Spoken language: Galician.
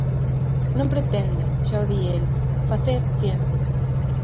Non pretende, xa o di el, facer ciencia.